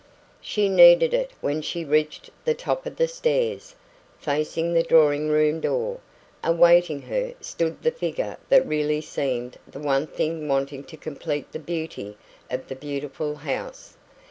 She needed it when she reached the top of the stairs. Facing the drawing room door, awaiting her, stood the figure that really seemed the one thing wanting to complete the beauty of the beautiful house.